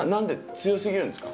強すぎるんですか？